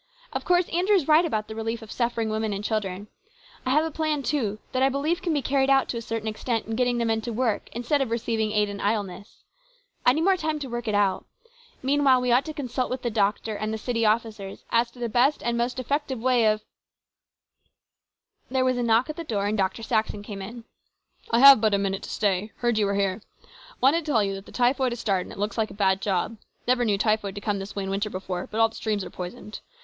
Of course Andrew is right about the relief of suffering women and children. I have a plan, too, that I believe can be carried out to a certain extent in getting the men to work instead of receiving aid in idleness. I need more time to work it out. Mean while we ought to consult with the doctor and the 206 HIS BROTHER'S KEEPER. city officers as to the best and the most effective way of " There was a knock at the door and Dr. Saxon came in. " I have but a minute to stay. Heard you were here. Wanted to tell you that the typhoid has started, and looks like a bad job. Never knew typhoid to come this way in winter before, but all the streams are poisoned.